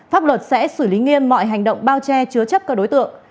pháp luật sẽ xử lý nghiêm mọi hành động bao che chứa chấp các đối tượng